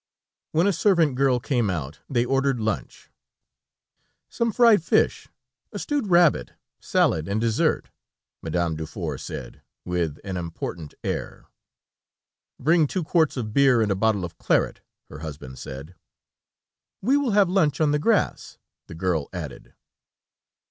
When a servant girl came out, they ordered lunch. "Some fried fish, a stewed rabbit, salad, and dessert," Madame Dufour said, with an important air. "Bring two quarts of beer and a bottle of claret," her husband said. "We will have lunch on the grass," the girl added.